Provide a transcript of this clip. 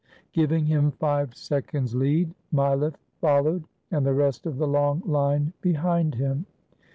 Giving him five seconds' lead, Mileff fol lowed and the rest of the long line behind him.